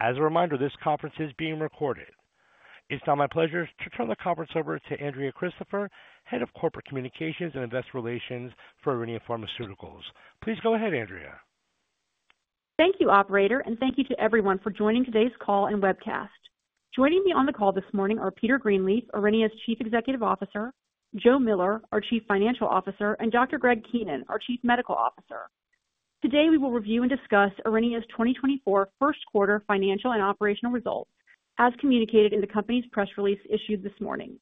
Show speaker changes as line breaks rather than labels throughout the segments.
As a reminder, this conference is being recorded. It's now my pleasure to turn the conference over to Andrea Christopher, Head of Corporate Communications and Investor Relations for Aurinia Pharmaceuticals. Please go ahead, Andrea.
Thank you, operator, and thank you to everyone for joining today's call and webcast. Joining me on the call this morning are Peter Greenleaf, Aurinia's Chief Executive Officer, Joe Miller, our Chief Financial Officer, and Dr. Greg Keenan, our Chief Medical Officer. Today we will review and discuss Aurinia's 2024 Q1 financial and operational results, as communicated in the company's press release issued this morning.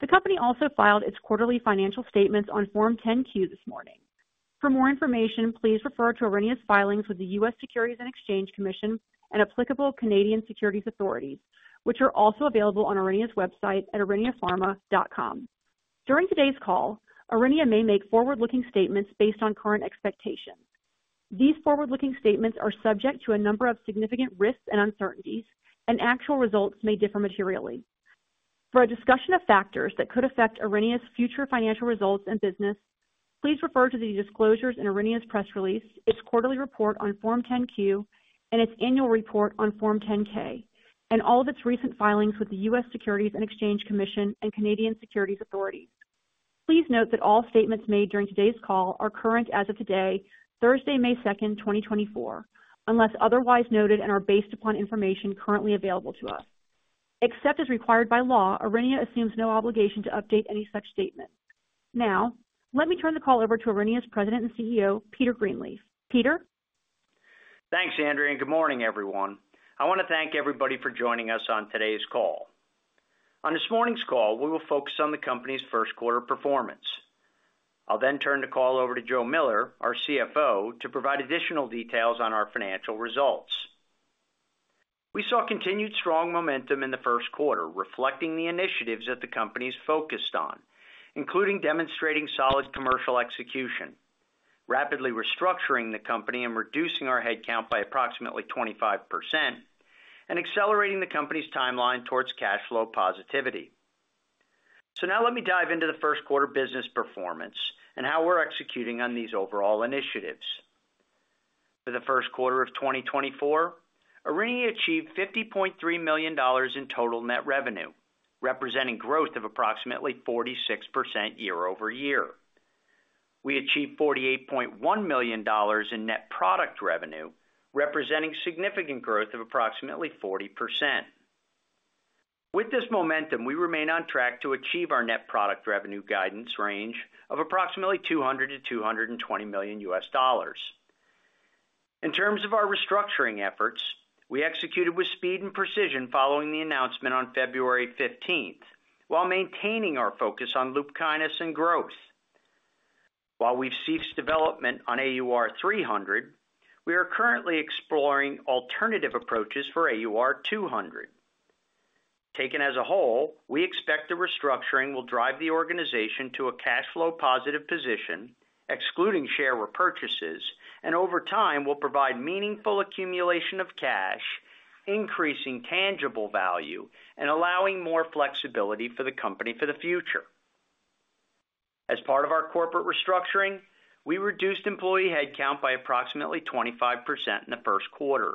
The company also filed its quarterly financial statements on Form 10-Q this morning. For more information, please refer to Aurinia's filings with the U.S. Securities and Exchange Commission and applicable Canadian Securities Authorities, which are also available on Aurinia's website at auriniapharma.com. During today's call, Aurinia may make forward-looking statements based on current expectations. These forward-looking statements are subject to a number of significant risks and uncertainties, and actual results may differ materially. For a discussion of factors that could affect Aurinia's future financial results and business, please refer to the disclosures in Aurinia's press release, its quarterly report on Form 10-Q, and its annual report on Form 10-K, and all of its recent filings with the U.S. Securities and Exchange Commission and Canadian Securities Authorities. Please note that all statements made during today's call are current as of today, Thursday, 2 May 2024, unless otherwise noted and are based upon information currently available to us. Except as required by law, Aurinia assumes no obligation to update any such statements. Now, let me turn the call over to Aurinia's President and CEO, Peter Greenleaf. Peter?
Thanks, Andrea, and good morning, everyone. I want to thank everybody for joining us on today's call. On this morning's call, we will focus on the company's Q1 performance. I'll then turn the call over to Joe Miller, our CFO, to provide additional details on our financial results. We saw continued strong momentum in the Q1, reflecting the initiatives that the company's focused on, including demonstrating solid commercial execution, rapidly restructuring the company and reducing our headcount by approximately 25%, and accelerating the company's timeline towards cash flow positivity. So now let me dive into the Q1 business performance and how we're executing on these overall initiatives. For the Q1 of 2024, Aurinia achieved $50.3 million in total net revenue, representing growth of approximately 46% year-over-year. We achieved $48.1 million in net product revenue, representing significant growth of approximately 40%. With this momentum, we remain on track to achieve our net product revenue guidance range of approximately $200 to 220 million. In terms of our restructuring efforts, we executed with speed and precision following the announcement on 15 February 2024, while maintaining our focus on LUPKYNIS and growth. While we've ceased development on AUR300, we are currently exploring alternative approaches for AUR200. Taken as a whole, we expect the restructuring will drive the organization to a cash flow positive position, excluding share repurchases, and over time will provide meaningful accumulation of cash, increasing tangible value, and allowing more flexibility for the company for the future. As part of our corporate restructuring, we reduced employee headcount by approximately 25% in the Q1.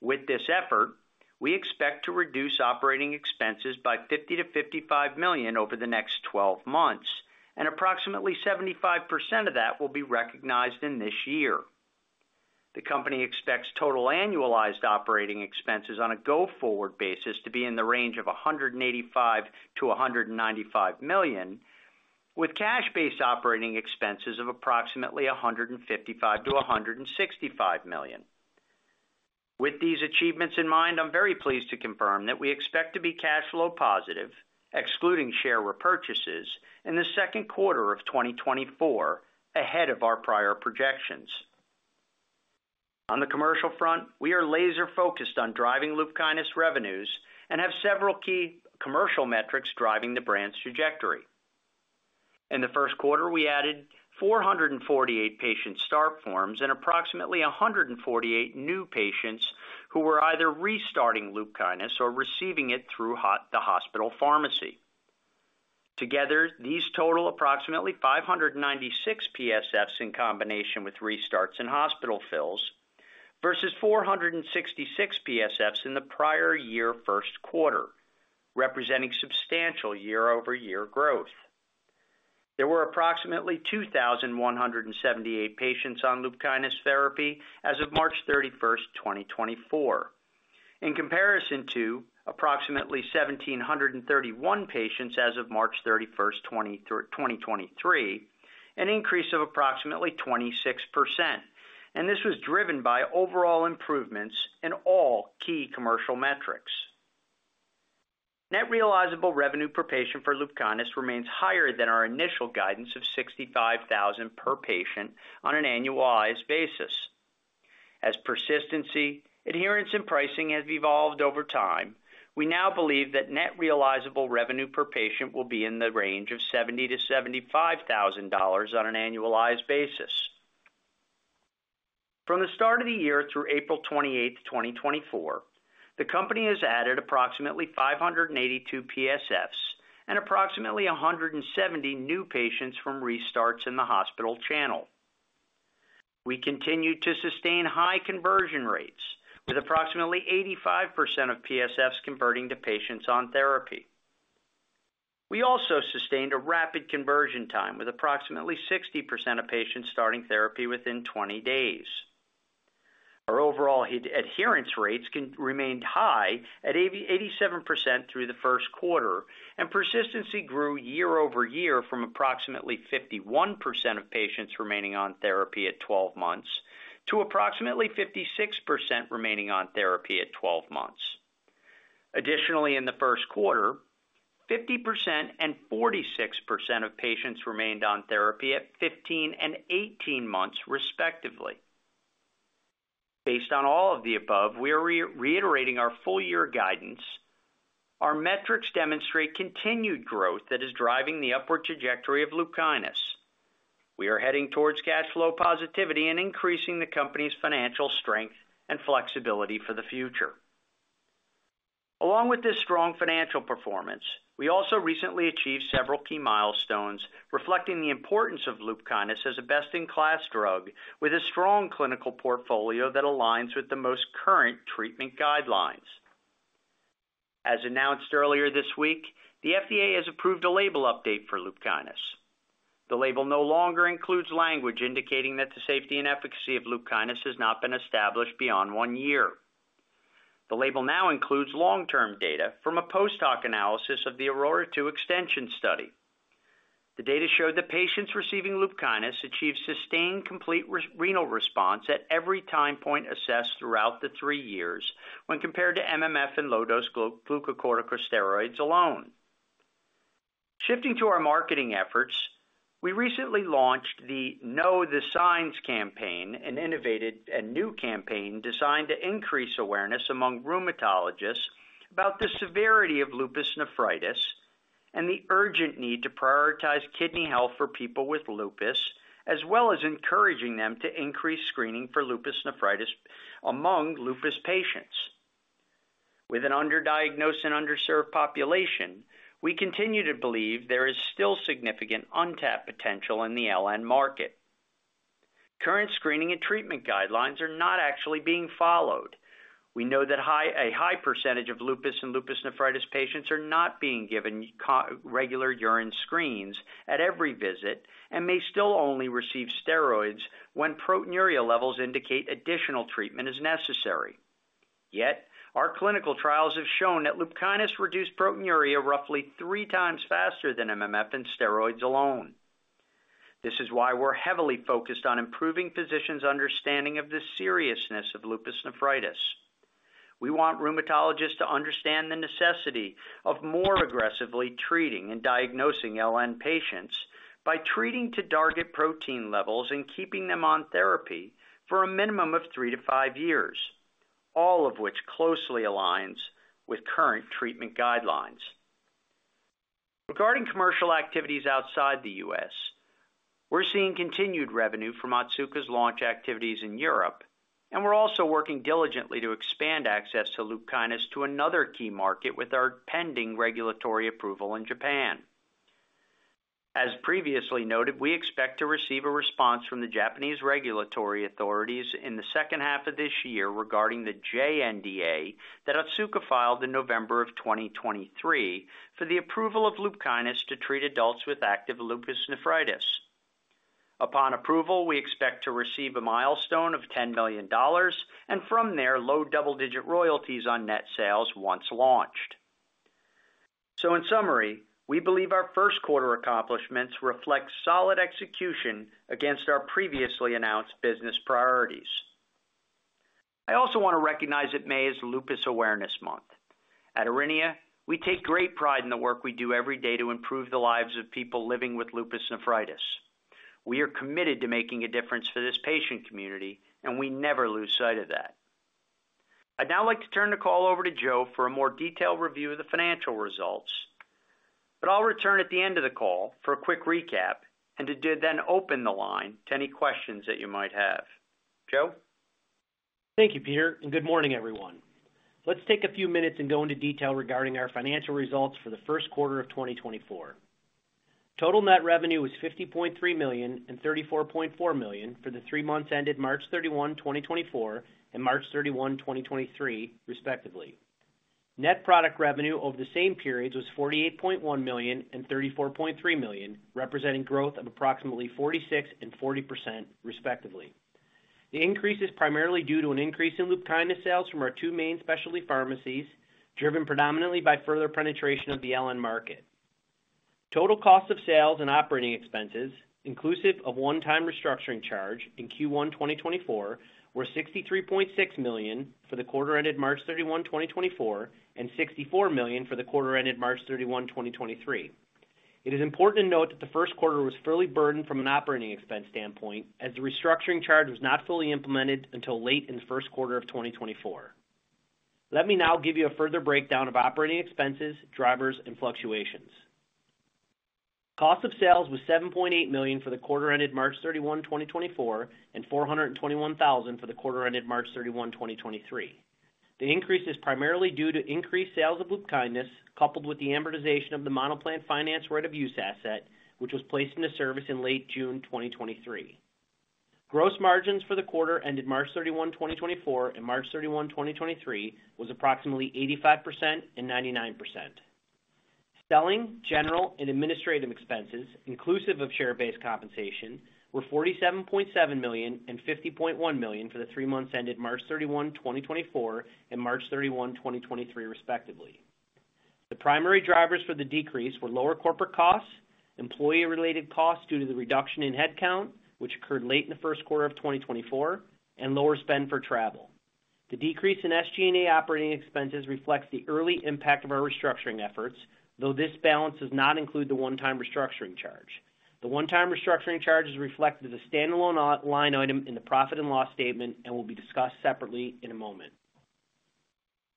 With this effort, we expect to reduce operating expenses by $50 to 55 million over the next 12 months, and approximately 75% of that will be recognized in this year. The company expects total annualized operating expenses on a go-forward basis to be in the range of $185 to 195 million, with cash-based operating expenses of approximately $155 to 165 million. With these achievements in mind, I'm very pleased to confirm that we expect to be cash flow positive, excluding share repurchases, in the Q2 of 2024 ahead of our prior projections. On the commercial front, we are laser-focused on driving LUPKYNIS revenues and have several key commercial metrics driving the brand's trajectory. In the Q1, we added 448 patient start forms and approximately 148 new patients who were either restarting LUPKYNIS or receiving it through the hospital pharmacy. Together, these total approximately 596 PSFs in combination with restarts and hospital fills versus 466 PSFs in the prior year Q1, representing substantial year-over-year growth. There were approximately 2,178 patients on LUPKYNIS therapy as of 31 March 2024. In comparison to approximately 1,731 patients as of 31 March 2023, an increase of approximately 26%, and this was driven by overall improvements in all key commercial metrics. Net realizable revenue per patient for LUPKYNIS remains higher than our initial guidance of $65,000 per patient on an annualized basis. As persistency, adherence, and pricing have evolved over time, we now believe that net realizable revenue per patient will be in the range of $70,000 to 75,000 on an annualized basis. From the start of the year through 28 April 2024, the company has added approximately 582 PSFs and approximately 170 new patients from restarts in the hospital channel. We continued to sustain high conversion rates, with approximately 85% of PSFs converting to patients on therapy. We also sustained a rapid conversion time, with approximately 60% of patients starting therapy within 20 days. Our overall adherence rates remained high at 87% through the Q1, and persistency grew year-over-year from approximately 51% of patients remaining on therapy at 12 months to approximately 56% remaining on therapy at 12 months. Additionally, in the Q1, 50% and 46% of patients remained on therapy at 15 and 18 months, respectively. Based on all of the above, we are reiterating our full-year guidance. Our metrics demonstrate continued growth that is driving the upward trajectory of LUPKYNIS. We are heading towards cash flow positivity and increasing the company's financial strength and flexibility for the future. Along with this strong financial performance, we also recently achieved several key milestones reflecting the importance of LUPKYNIS as a best-in-class drug with a strong clinical portfolio that aligns with the most current treatment guidelines. As announced earlier this week, the FDA has approved a label update for LUPKYNIS. The label no longer includes language indicating that the safety and efficacy of LUPKYNIS has not been established beyond one year. The label now includes long-term data from a post-hoc analysis of the AURORA II extension study. The data showed that patients receiving LUPKYNIS achieved sustained complete renal response at every time point assessed throughout the three years when compared to MMF and low-dose glucocorticosteroids alone. Shifting to our marketing efforts, we recently launched the Know the Signs campaign, an innovative and new campaign designed to increase awareness among rheumatologists about the severity of lupus nephritis and the urgent need to prioritize kidney health for people with lupus, as well as encouraging them to increase screening for lupus nephritis among lupus patients. With an underdiagnosed and underserved population, we continue to believe there is still significant untapped potential in the LN market. Current screening and treatment guidelines are not actually being followed. We know that a high percentage of lupus and lupus nephritis patients are not being given regular urine screens at every visit and may still only receive steroids when proteinuria levels indicate additional treatment is necessary. Yet, our clinical trials have shown that LUPKYNIS reduced proteinuria roughly three times faster than MMF and steroids alone. This is why we're heavily focused on improving physicians' understanding of the seriousness of lupus nephritis. We want rheumatologists to understand the necessity of more aggressively treating and diagnosing LN patients by treating to target protein levels and keeping them on therapy for a minimum of three to five years, all of which closely aligns with current treatment guidelines. Regarding commercial activities outside the US, we're seeing continued revenue from Otsuka's launch activities in Europe, and we're also working diligently to expand access to LUPKYNIS to another key market with our pending regulatory approval in Japan. As previously noted, we expect to receive a response from the Japanese regulatory authorities in the H2 of this year regarding the JNDA that Otsuka filed in November of 2023 for the approval of LUPKYNIS to treat adults with active lupus nephritis. Upon approval, we expect to receive a milestone of $10 million and from there low double-digit royalties on net sales once launched. So in summary, we believe our Q1 accomplishments reflect solid execution against our previously announced business priorities. I also want to recognize that May is Lupus Awareness Month. At Aurinia, we take great pride in the work we do every day to improve the lives of people living with lupus nephritis. We are committed to making a difference for this patient community, and we never lose sight of that. I'd now like to turn the call over to Joe for a more detailed review of the financial results, but I'll return at the end of the call for a quick recap and to then open the line to any questions that you might have. Joe?
Thank you, Peter, and good morning, everyone. Let's take a few minutes and go into detail regarding our financial results for the Q1 of 2024. Total net revenue was $50.3 million and $34.4 million for the three months ended 31 March 2024, and 31 March 2023, respectively. Net product revenue over the same periods was $48.1 million and $34.3 million, representing growth of approximately 46% and 40%, respectively. The increase is primarily due to an increase in LUPKYNIS sales from our two main specialty pharmacies, driven predominantly by further penetration of the LN market. Total cost of sales and operating expenses, inclusive of one-time restructuring charge in Q1 2024, were $63.6 million for the quarter ended 31 March 2024, and $64 million for the quarter ended 31 March 2023. It is important to note that the Q1 was fairly burdened from an operating expense standpoint, as the restructuring charge was not fully implemented until late in the Q1 of 2024. Let me now give you a further breakdown of operating expenses, drivers, and fluctuations. Cost of sales was $7.8 million for the quarter ended 31 March 2024, and $421,000 for the quarter ended 31 March 2023. The increase is primarily due to increased sales of LUPKYNIS coupled with the amortization of the manufacturing facility right-of-use asset, which was placed into service in late June 2023. Gross margins for the quarter ended 31 March 2024, and 31 March 2023, were approximately 85% and 99%. Selling, general, and administrative expenses, inclusive of share-based compensation, were $47.7 million and $50.1 million for the three months ended 31 March 2024, and 31 March 2023, respectively. The primary drivers for the decrease were lower corporate costs, employee-related costs due to the reduction in headcount, which occurred late in the Q1 of 2024, and lower spend for travel. The decrease in SG&A operating expenses reflects the early impact of our restructuring efforts, though this balance does not include the one-time restructuring charge. The one-time restructuring charge is reflected as a standalone line item in the profit and loss statement and will be discussed separately in a moment.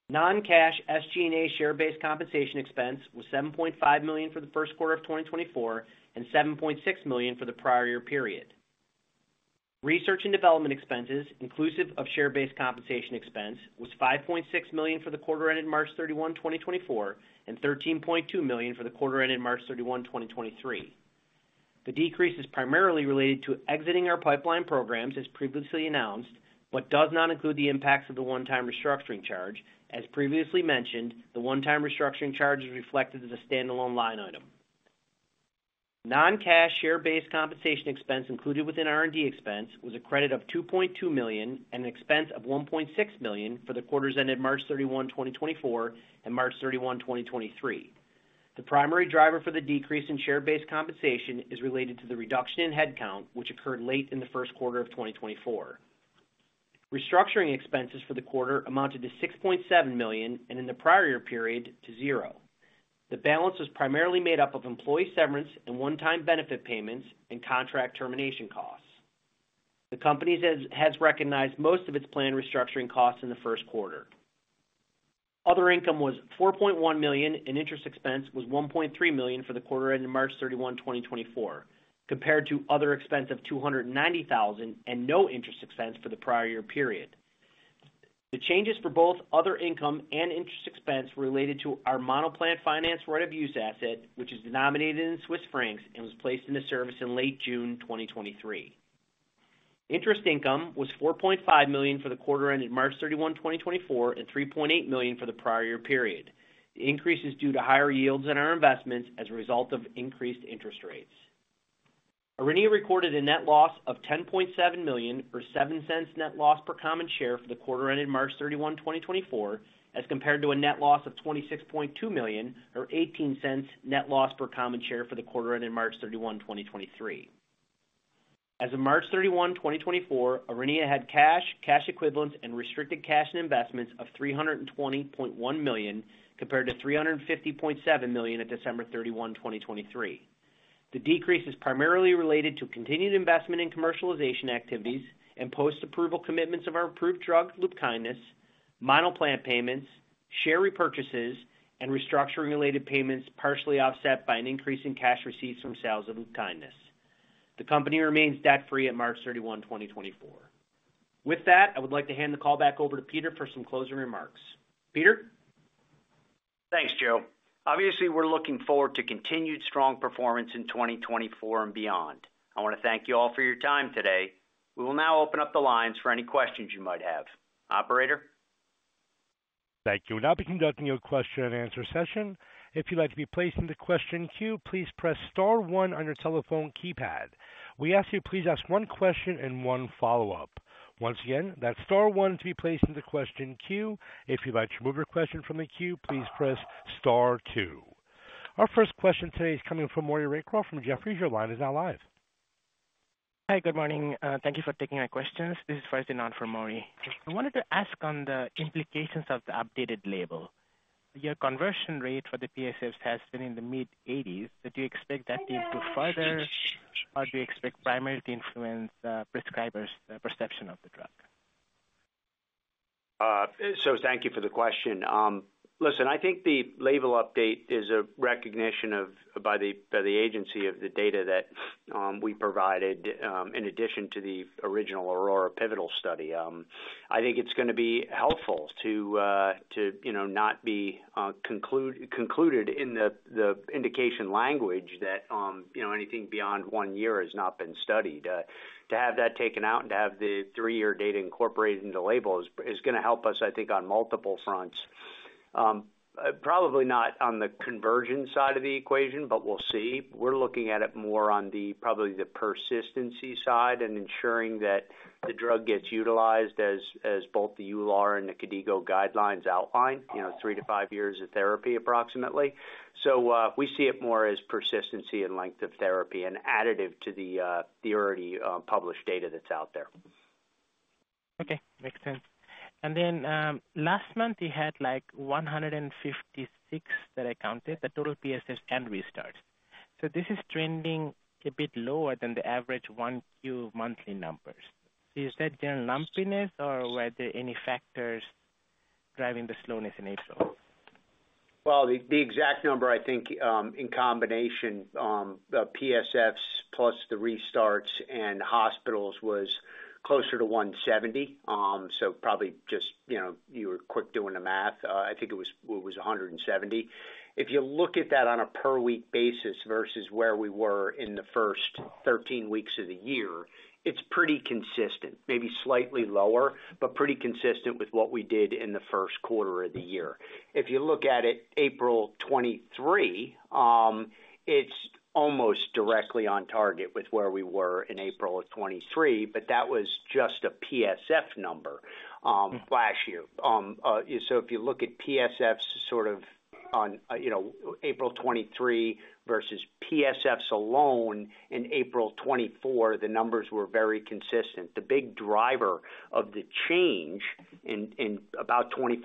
Non-cash SG&A share-based compensation expense was $7.5 million for the Q1 of 2024 and $7.6 million for the prior year period. Research and development expenses, inclusive of share-based compensation expense, were $5.6 million for the quarter ended 31 March 2024, and $13.2 million for the quarter ended 31 March 2023. The decrease is primarily related to exiting our pipeline programs, as previously announced, but does not include the impacts of the one-time restructuring charge. As previously mentioned, the one-time restructuring charge is reflected as a standalone line item. Non-cash share-based compensation expense included within R&D expense was a credit of $2.2 million and an expense of $1.6 million for the quarters ended 31 March 2024, and 31 March 2023. The primary driver for the decrease in share-based compensation is related to the reduction in headcount, which occurred late in the Q1 of 2024. Restructuring expenses for the quarter amounted to $6.7 million and in the prior year period to zero. The balance was primarily made up of employee severance and one-time benefit payments and contract termination costs. The company has recognized most of its planned restructuring costs in the Q1. Other income was $4.1 million, and interest expense was $1.3 million for the quarter ended 31 March 2024, compared to other expense of $290,000 and no interest expense for the prior year period. The changes for both other income and interest expense were related to our manufacturing facility right-of-use asset, which is denominated in Swiss francs and was placed into service in late June 2023. Interest income was $4.5 million for the quarter ended 31 March 2024, and $3.8 million for the prior year period. The increase is due to higher yields in our investments as a result of increased interest rates. Aurinia recorded a net loss of $10.7 million or $0.07 net loss per common share for the quarter ended 31 March 2024, as compared to a net loss of $26.2 million or $0.18 net loss per common share for the quarter ended 31 March 2023. As of 31 March 2024, Aurinia had cash, cash equivalents, and restricted cash and investments of $320.1 million compared to $350.7 million at 31 December 2023. The decrease is primarily related to continued investment in commercialization activities and post-approval commitments of our approved drug, LUPKYNIS, milestone payments, share repurchases, and restructuring-related payments partially offset by an increase in cash receipts from sales of LUPKYNIS. The company remains debt-free at 31 March 2024. With that, I would like to hand the call back over to Peter for some closing remarks. Peter?
Thanks, Joe. Obviously, we're looking forward to continued strong performance in 2024 and beyond. I want to thank you all for your time today. We will now open up the lines for any questions you might have. Operator?
Thank you. We'll now be conducting a question-and-answer session. If you'd like to be placed in the question queue, please press star one on your telephone keypad. We ask you to please ask one question and one follow-up. Once again, that's star one to be placed in the question queue. If you'd like to remove your question from the queue, please press star two. Our first question today is coming from Maury Raycroft from Jefferies. Your line is now live.
Hi, good morning. Thank you for taking my questions. This is Farzin Haque for Maury Raycroft. I wanted to ask on the implications of the updated label. Your conversion rate for the PSFs has been in the mid-80s. Did you expect that to improve further, or do you expect primarily to influence prescribers' perception of the drug?
So thank you for the question. Listen, I think the label update is a recognition by the agency of the data that we provided in addition to the original AURORA Pivotal Study. I think it's going to be helpful to not be concluded in the indication language that anything beyond 1 year has not been studied. To have that taken out and to have the three-year data incorporated into the label is going to help us, I think, on multiple fronts. Probably not on the conversion side of the equation, but we'll see. We're looking at it more on probably the persistency side and ensuring that the drug gets utilized as both the EULAR and the KDIGO guidelines outline, three to five years of therapy approximately. So we see it more as persistency and length of therapy and additive to the already published data that's out there.
Okay. Makes sense. And then last month, we had 156 that I counted, the total PSFs and restarts. So this is trending a bit lower than the average Q1 monthly numbers. Is that general lumpiness, or were there any factors driving the slowness in April?
Well, the exact number, I think, in combination, PSFs plus the restarts and hospitals was closer to 170. So probably just you were quick doing the math. I think it was 170. If you look at that on a per-week basis versus where we were in the first 13 weeks of the year, it's pretty consistent, maybe slightly lower, but pretty consistent with what we did in the Q1 of the year. If you look at it April 2023, it's almost directly on target with where we were in April of 2023, but that was just a PSF number last year. So if you look at PSFs sort of on April 2023 versus PSFs alone in April 2024, the numbers were very consistent. The big driver of the change and about 25%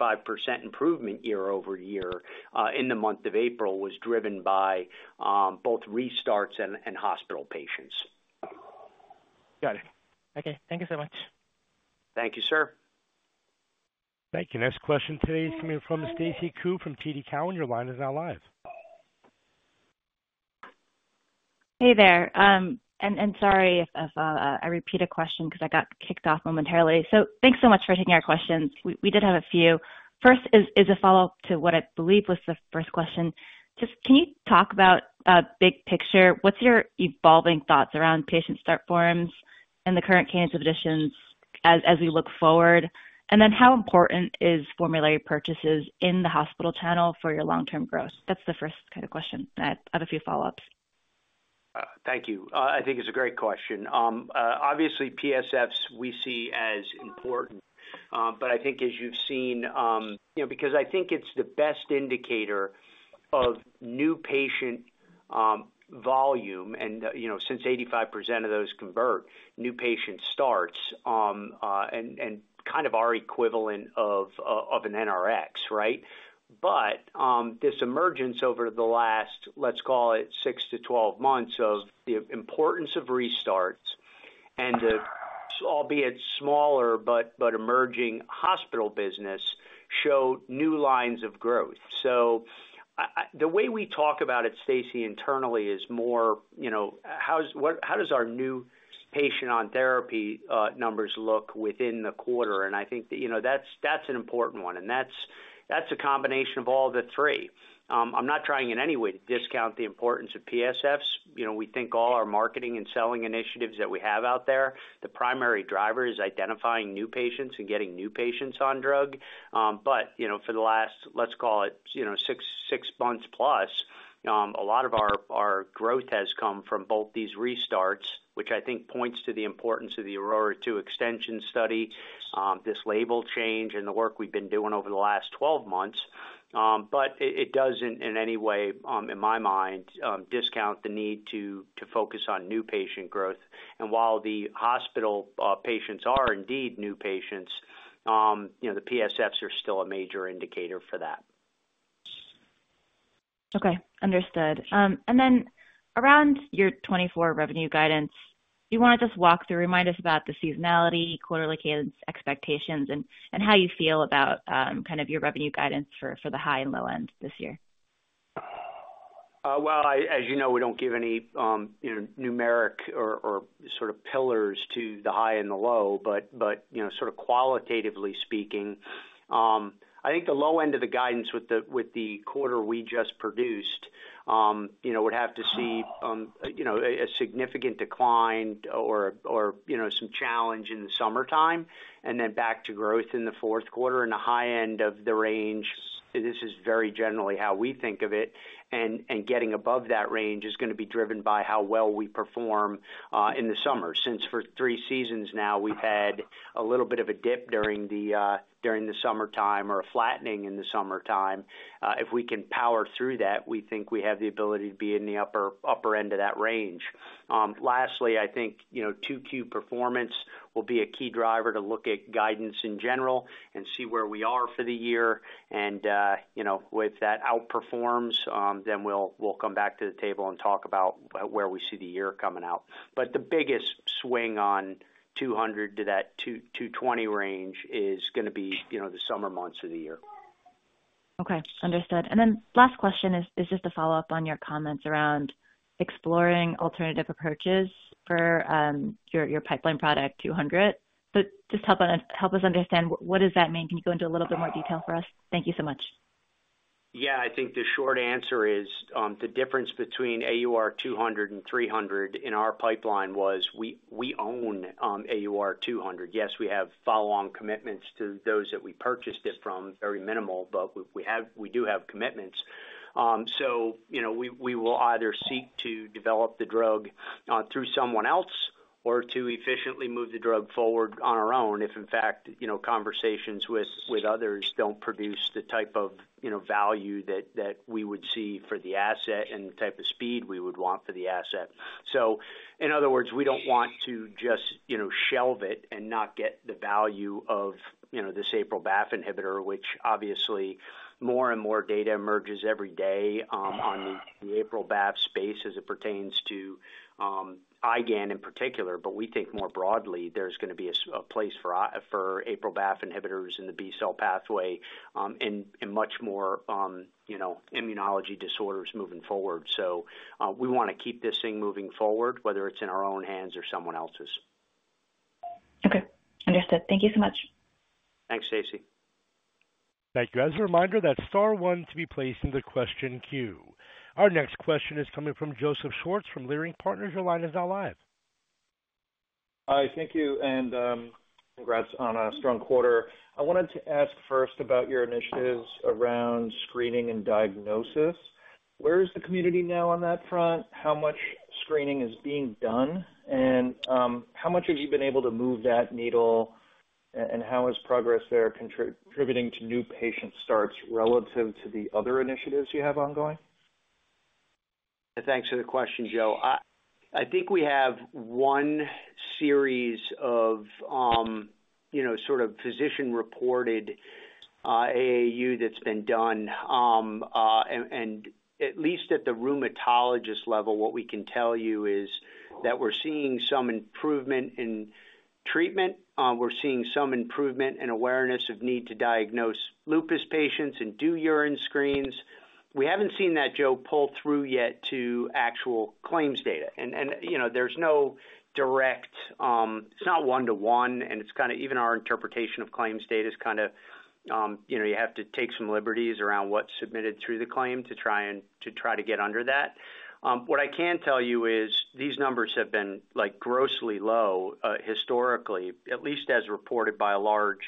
improvement year-over-year in the month of April was driven by both restarts and hospital patients.
Got it. Okay. Thank you so much.
Thank you, sir.
Thank you. Next question today is coming from Stacy Ku from TD Cowen. Your line is now live.
Hey there. Sorry if I repeat a question because I got kicked off momentarily. So thanks so much for taking our questions. We did have a few. First is a follow-up to what I believe was the first question. Just can you talk about a big picture? What's your evolving thoughts around patient start forms and the current cadence of additions as we look forward? And then how important is formulary purchases in the hospital channel for your long-term growth? That's the first kind of question. I have a few follow-ups.
Thank you. I think it's a great question. Obviously, PSFs we see as important, but I think, as you've seen, because I think it's the best indicator of new patient volume, and since 85% of those convert, new patient starts and kind of our equivalent of an NRX, right? But this emergence over the last, let's call it, six to 12 months of the importance of restarts and the, albeit smaller but emerging hospital business, showed new lines of growth. So the way we talk about it, Stacy, internally is more, how does our new patient-on-therapy numbers look within the quarter? And I think that's an important one, and that's a combination of all the three. I'm not trying in any way to discount the importance of PSFs. We think all our marketing and selling initiatives that we have out there, the primary driver is identifying new patients and getting new patients on drug. But for the last, let's call it, six months plus, a lot of our growth has come from both these restarts, which I think points to the importance of the AURORA II extension study, this label change, and the work we've been doing over the last 12 months. But it doesn't in any way, in my mind, discount the need to focus on new patient growth. While the hospital patients are indeed new patients, the PSFs are still a major indicator for that.
Okay. Understood. And then around your 2024 revenue guidance, do you want to just walk through, remind us about the seasonality, quarterly cadence, expectations, and how you feel about kind of your revenue guidance for the high and low end this year?
Well, as you know, we don't give any numeric or sort of pillars to the high and the low, but sort of qualitatively speaking, I think the low end of the guidance with the quarter we just produced would have to see a significant decline or some challenge in the summertime and then back to growth in the Q4. The high end of the range, this is very generally how we think of it. Getting above that range is going to be driven by how well we perform in the summer since for three seasons now, we've had a little bit of a dip during the summertime or a flattening in the summertime. If we can power through that, we think we have the ability to be in the upper end of that range. Lastly, I think Q2 performance will be a key driver to look at guidance in general and see where we are for the year. If that outperforms, then we'll come back to the table and talk about where we see the year coming out. But the biggest swing on $200 to 220 range is going to be the summer months of the year.
Okay. Understood. And then last question is just a follow-up on your comments around exploring alternative approaches for your pipeline product, AUR200. But just help us understand, what does that mean? Can you go into a little bit more detail for us? Thank you so much.
Yeah. I think the short answer is the difference between AUR200 and AUR300 in our pipeline was we own AUR200. Yes, we have follow-on commitments to those that we purchased it from, very minimal, but we do have commitments. So we will either seek to develop the drug through someone else or to efficiently move the drug forward on our own if, in fact, conversations with others don't produce the type of value that we would see for the asset and the type of speed we would want for the asset. So in other words, we don't want to just shelve it and not get the value of this APRIL/BAFF inhibitor, which obviously, more and more data emerges every day on the APRIL/BAFF space as it pertains to IgAN in particular. But we think more broadly, there's going to be a place for APRIL/BAFF inhibitors in the B-cell pathway and much more immunology disorders moving forward. So we want to keep this thing moving forward, whether it's in our own hands or someone else's.
Okay. Understood. Thank you so much.
Thanks, Stacey.
Thank you. As a reminder, that's star one to be placed in the question queue. Our next question is coming from Joseph Schwartz from Leerink Partners. Your line is now live.
Hi. Thank you. Congrats on a strong quarter. I wanted to ask first about your initiatives around screening and diagnosis. Where is the community now on that front? How much screening is being done? How much have you been able to move that needle, and how is progress there contributing to new patient starts relative to the other initiatives you have ongoing?
Thanks for the question, Joe. I think we have one series of sort of physician-reported AAU that's been done. And at least at the rheumatologist level, what we can tell you is that we're seeing some improvement in treatment. We're seeing some improvement in awareness of need to diagnose lupus patients and do urine screens. We haven't seen that, Joe, pull through yet to actual claims data. And there's no direct. It's not one-to-one, and it's kind of even our interpretation of claims data is kind of you have to take some liberties around what's submitted through the claim to try and try to get under that. What I can tell you is these numbers have been grossly low historically, at least as reported by a large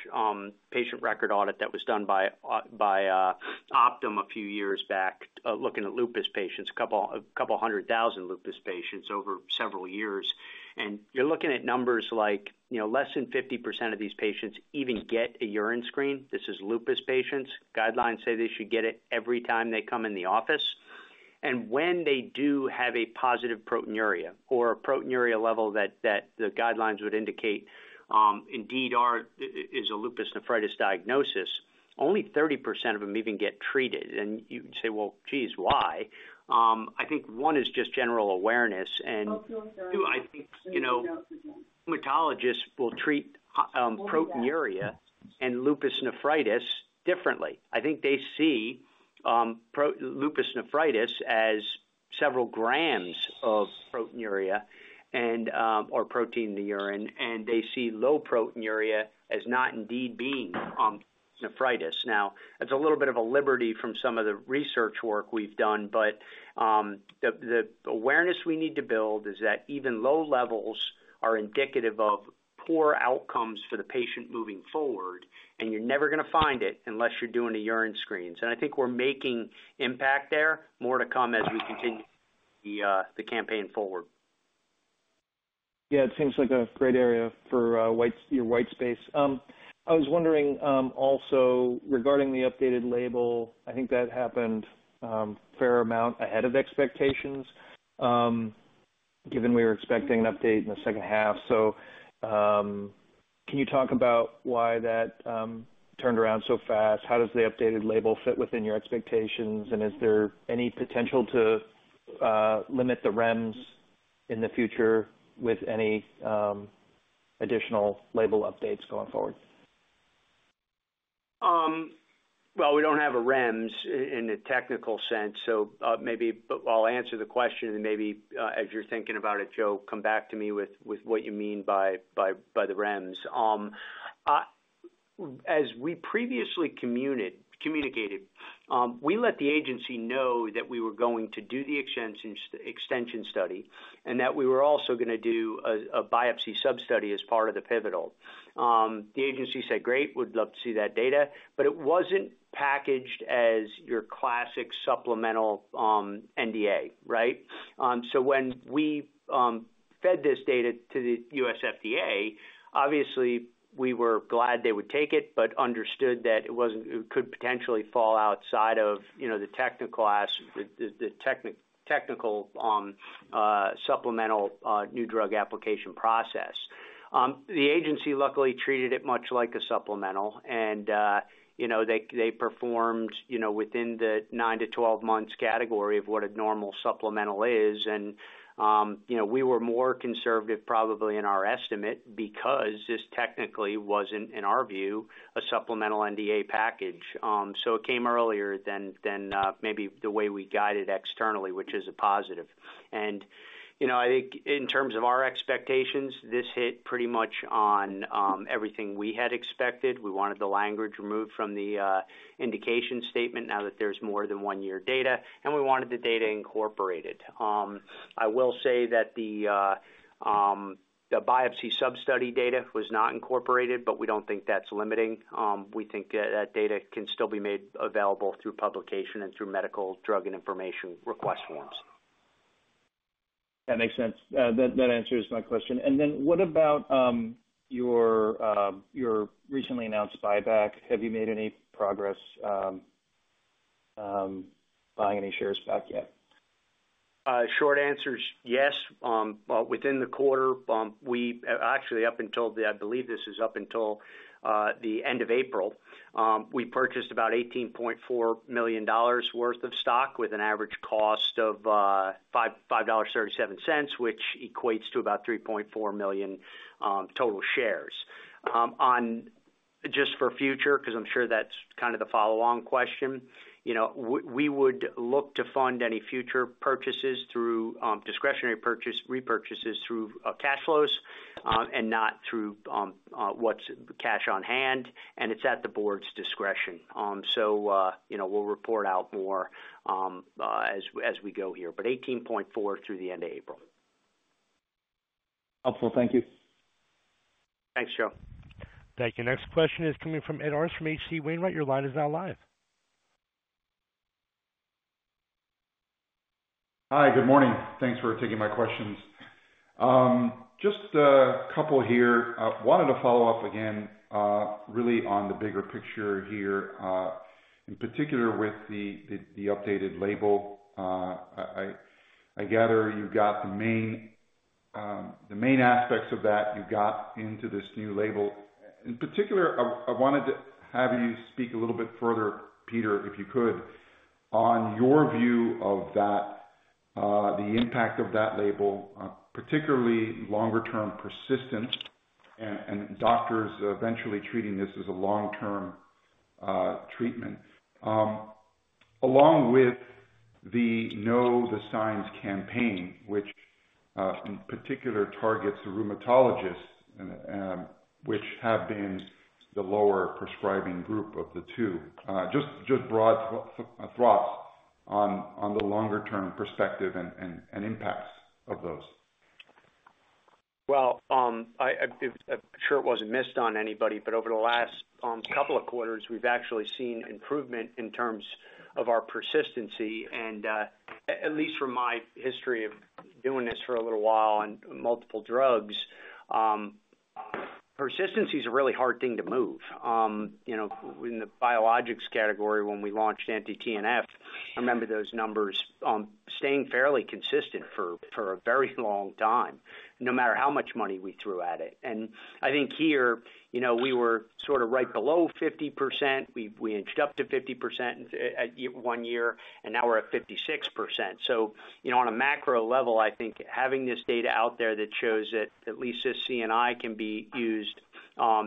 patient record audit that was done by Optum a few years back looking at lupus patients, 200,000 lupus patients over several years. And you're looking at numbers like less than 50% of these patients even get a urine screen. This is lupus patients. Guidelines say they should get it every time they come in the office. And when they do have a positive proteinuria or a proteinuria level that the guidelines would indicate indeed is a lupus nephritis diagnosis, only 30% of them even get treated. And you'd say, "Well, geez, why?" I think one is just general awareness. And two, I think rheumatologists will treat proteinuria and lupus nephritis differently. I think they see lupus nephritis as several grams of proteinuria or protein in the urine, and they see low proteinuria as not indeed being nephritis. Now, that's a little bit of a liberty from some of the research work we've done, but the awareness we need to build is that even low levels are indicative of poor outcomes for the patient moving forward, and you're never going to find it unless you're doing the urine screens. And I think we're making impact there. More to come as we continue the campaign forward.
Yeah. It seems like a great area for your white space. I was wondering also regarding the updated label. I think that happened a fair amount ahead of expectations given we were expecting an update in the H2. So can you talk about why that turned around so fast? How does the updated label fit within your expectations, and is there any potential to limit the REMS in the future with any additional label updates going forward?
Well, we don't have a REMS in the technical sense, so maybe I'll answer the question, and maybe as you're thinking about it, Joe, come back to me with what you mean by the REMS. As we previously communicated, we let the agency know that we were going to do the extension study and that we were also going to do a biopsy substudy as part of the pivotal. The agency said, "Great. Would love to see that data," but it wasn't packaged as your classic supplemental NDA, right? So when we fed this data to the US FDA, obviously, we were glad they would take it but understood that it could potentially fall outside of the technical supplemental new drug application process. The agency luckily treated it much like a supplemental, and they performed within the nine to 12 months category of what a normal supplemental is. We were more conservative probably in our estimate because this technically wasn't, in our view, a supplemental NDA package. So it came earlier than maybe the way we guided externally, which is a positive. And I think in terms of our expectations, this hit pretty much on everything we had expected. We wanted the language removed from the indication statement now that there's more than one year data, and we wanted the data incorporated. I will say that the biopsy substudy data was not incorporated, but we don't think that's limiting. We think that data can still be made available through publication and through medical drug and information request forms.
That makes sense. That answers my question. And then what about your recently announced buyback? Have you made any progress buying any shares back yet?
Short answers, yes. Within the quarter, we actually, I believe this is up until the end of April, we purchased about $18.4 million worth of stock with an average cost of $5.37, which equates to about 3.4 million total shares. Just for future because I'm sure that's kind of the follow-on question, we would look to fund any future purchases through discretionary repurchases through cash flows and not through what's cash on hand. And it's at the board's discretion. So we'll report out more as we go here, but $18.4 million through the end of April.
Helpful. Thank you.
Thanks, Joe.
Thank you. Next question is coming from Ed Arce from H.C. Wainwright. Your line is now live.
Hi. Good morning. Thanks for taking my questions. Just a couple here. Wanted to follow up again really on the bigger picture here, in particular with the updated label. I gather you've got the main aspects of that you've got into this new label. In particular, I wanted to have you speak a little bit further, Peter, if you could, on your view of the impact of that label, particularly longer-term persistence and doctors eventually treating this as a long-term treatment, along with the Know the Signs campaign, which in particular targets the rheumatologists, which have been the lower prescribing group of the two. Just broad thoughts on the longer-term perspective and impacts of those.
Well, I'm sure it wasn't missed on anybody, but over the last couple of quarters, we've actually seen improvement in terms of our persistency. And at least from my history of doing this for a little while on multiple drugs, persistency is a really hard thing to move. In the biologics category, when we launched anti-TNF, I remember those numbers staying fairly consistent for a very long time no matter how much money we threw at it. And I think here, we were sort of right below 50%. We inched up to 50% one year, and now we're at 56%. So on a macro level, I think having this data out there that shows that at least this CNI can be used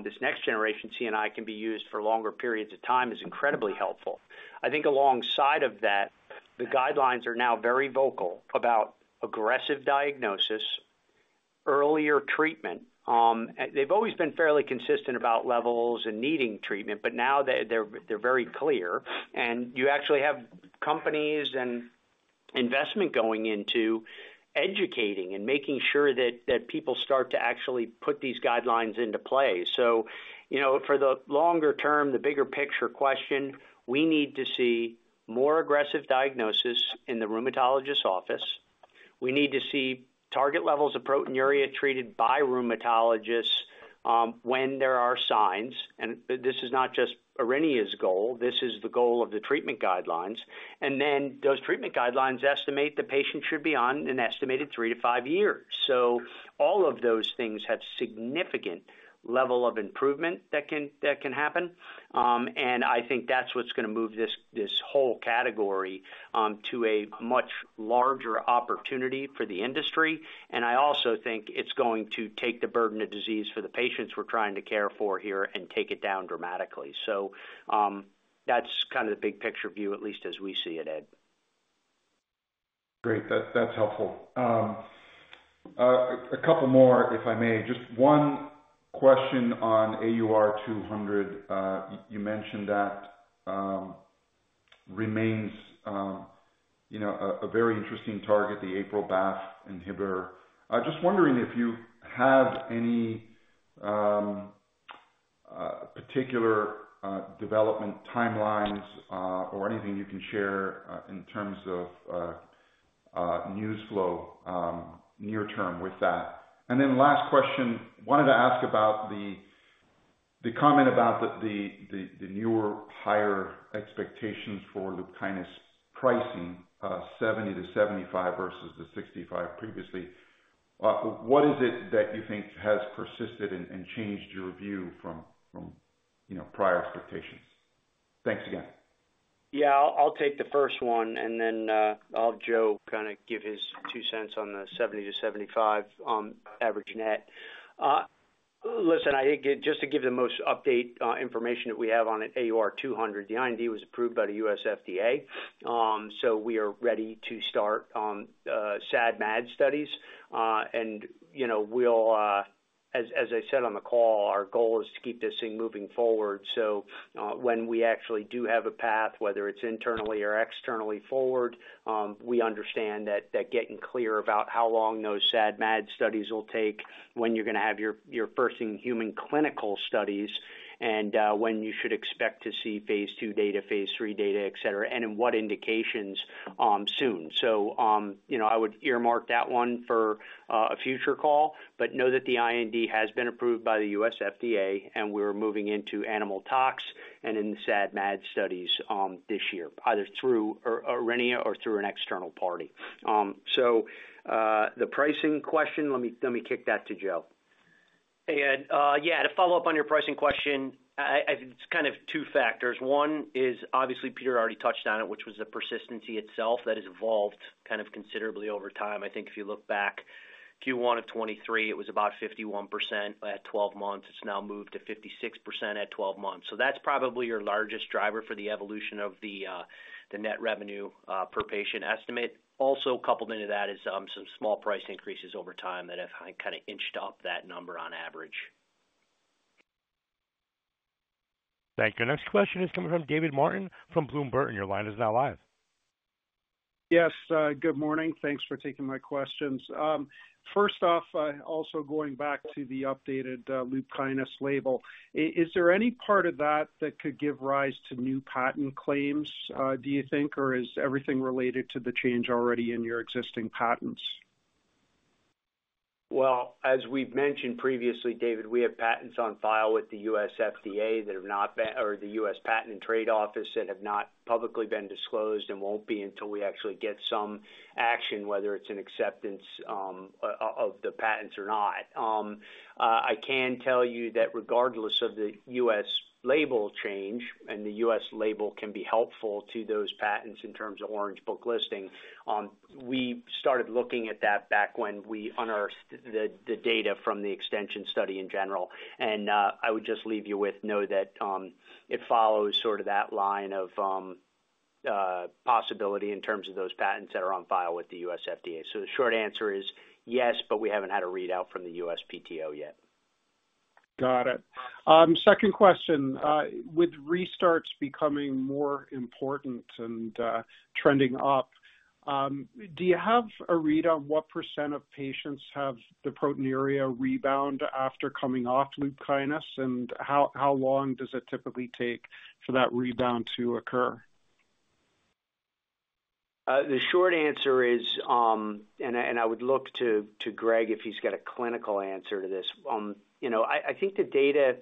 this next generation CNI can be used for longer periods of time is incredibly helpful. I think alongside of that, the guidelines are now very vocal about aggressive diagnosis, earlier treatment. They've always been fairly consistent about levels and needing treatment, but now they're very clear. And you actually have companies and investment going into educating and making sure that people start to actually put these guidelines into play. So for the longer-term, the bigger picture question, we need to see more aggressive diagnosis in the rheumatologist's office. We need to see target levels of proteinuria treated by rheumatologists when there are signs. And this is not just Aurinia's goal. This is the goal of the treatment guidelines. And then those treatment guidelines estimate the patient should be on an estimated three to five years. So all of those things have significant level of improvement that can happen. And I think that's what's going to move this whole category to a much larger opportunity for the industry. And I also think it's going to take the burden of disease for the patients we're trying to care for here and take it down dramatically. So that's kind of the big picture view, at least as we see it, Ed.
Great. That's helpful. A couple more, if I may. Just one question on AUR200. You mentioned that remains a very interesting target, the APRIL/BAFF inhibitor. Just wondering if you have any particular development timelines or anything you can share in terms of newsflow near-term with that. And then last question, wanted to ask about the comment about the newer, higher expectations for Lupkynis's pricing, $70 to 75 versus the $65 previously. What is it that you think has persisted and changed your view from prior expectations? Thanks again.
Yeah. I'll take the first one, and then I'll have Joe kind of give his two cents on the 70 to 75 average net. Listen, I think just to give the most up-to-date information that we have on it, AUR200, the IND was approved by the US FDA, so we are ready to start SAD/MAD studies. And we'll, as I said on the call, our goal is to keep this thing moving forward. So when we actually do have a path, whether it's internally or externally forward, we understand that getting clear about how long those SAD/MAD studies will take, when you're going to have your first human clinical studies, and when you should expect to see phase II data, phase III data, etc., and in what indications soon. So I would earmark that one for a future call, but know that the IND has been approved by the US FDA, and we're moving into animal tox and in the SAD/MAD studies this year, either through Aurinia or through an external party. So the pricing question, let me kick that to Joe.
Hey, Ed. Yeah. To follow up on your pricing question, it's kind of two factors. One is obviously, Peter already touched on it, which was the persistency itself that has evolved kind of considerably over time. I think if you look back Q1 of 2023, it was about 51% at 12 months. It's now moved to 56% at 12 months. So that's probably your largest driver for the evolution of the net revenue per patient estimate. Also, coupled into that is some small price increases over time that have kind of inched up that number on average.
Thank you. Next question is coming from David Martin from Bloom Burton. Your line is now live.
Yes. Good morning. Thanks for taking my questions. First off, also going back to the updated LUPKYNIS's label, is there any part of that that could give rise to new patent claims, do you think, or is everything related to the change already in your existing patents?
Well, as we've mentioned previously, David, we have patents on file with the US FDA that have not been or the US Patent and Trademark Office that have not publicly been disclosed and won't be until we actually get some action, whether it's an acceptance of the patents or not. I can tell you that regardless of the US label change and the US label can be helpful to those patents in terms of Orange Book listing, we started looking at that back when we unearthed the data from the extension study in general. I would just leave you with let you know that it follows sort of that line of possibility in terms of those patents that are on file with the US FDA. So the short answer is yes, but we haven't had a readout from the USPTO yet.
Got it. Second question, with restarts becoming more important and trending up, do you have a read on what percent of patients have the proteinuria rebound after coming off LUPKYNIS, and how long does it typically take for that rebound to occur?
The short answer is, and I would look to Greg if he's got a clinical answer to this. I think the data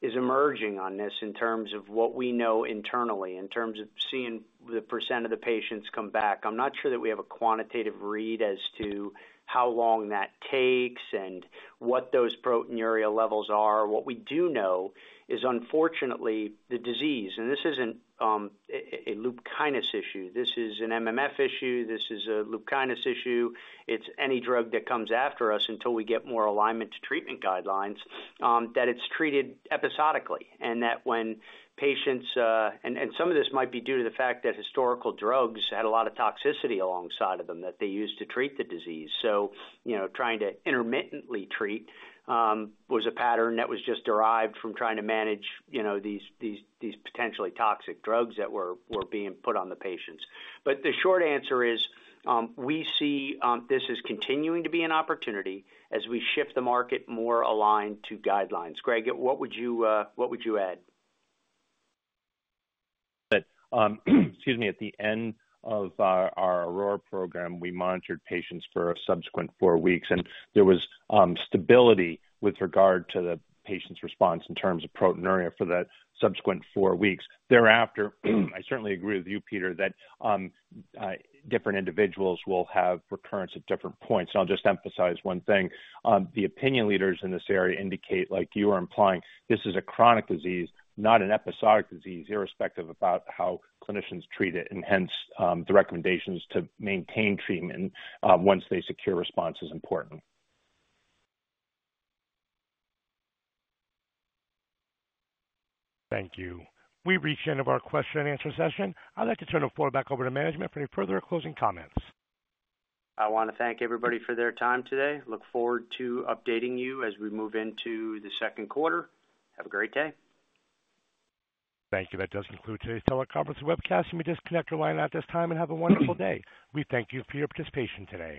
is emerging on this in terms of what we know internally, in terms of seeing the percent of the patients come back. I'm not sure that we have a quantitative read as to how long that takes and what those proteinuria levels are. What we do know is, unfortunately, the disease and this isn't a Lupkynis issue. This is an MMF issue. This is a Lupkynis issue. It's any drug that comes after us until we get more alignment to treatment guidelines that it's treated episodically and that when patients and some of this might be due to the fact that historical drugs had a lot of toxicity alongside of them that they used to treat the disease. So trying to intermittently treat was a pattern that was just derived from trying to manage these potentially toxic drugs that were being put on the patients. But the short answer is we see this as continuing to be an opportunity as we shift the market more aligned to guidelines. Greg, what would you add?
Excuse me. At the end of our Aurora program, we monitored patients for a subsequent four weeks, and there was stability with regard to the patient's response in terms of proteinuria for that subsequent four weeks. Thereafter, I certainly agree with you, Peter, that different individuals will have recurrence at different points. And I'll just emphasize one thing. The opinion leaders in this area indicate, like you are implying, this is a chronic disease, not an episodic disease, irrespective of how clinicians treat it. And hence, the recommendations to maintain treatment once they secure response is important.
Thank you. We've reached the end of our question and answer session. I'd like to turn the floor back over to management for any further or closing comments.
I want to thank everybody for their time today. Look forward to updating you as we move into the Q2. Have a great day.
Thank you. That does conclude today's teleconference webcast. You may disconnect your line at this time and have a wonderful day. We thank you for your participation today.